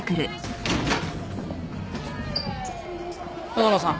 淀野さん。